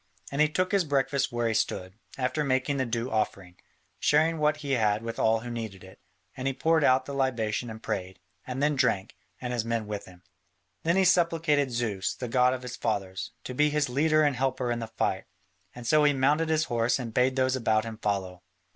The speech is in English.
And he took his breakfast where he stood, after making the due offering, sharing what he had with all who needed it, and he poured out the libation and prayed, and then drank, and his men with him. Then he supplicated Zeus, the god of his fathers, to be his leader and helper in the fight, and so he mounted his horse and bade those about him follow.